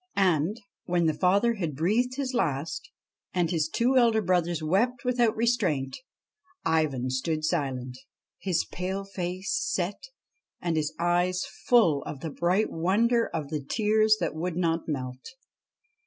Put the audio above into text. And, when the father had breathed his last, and his two elder brothers wept without restraint, Ivan stood silent, his pale face set and his eyes full of the bright wonder of tears that would not melt.